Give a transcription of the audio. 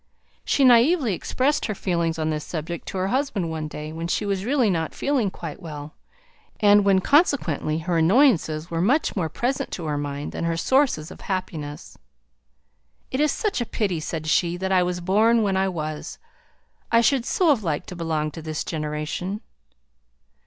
She naĽvely expressed her feelings on this subject to her husband one day when she was really not feeling quite well, and when consequently her annoyances were much more present to her mind than her sources of happiness. "It is such a pity!" said she, "that I was born when I was. I should so have liked to belong to this generation."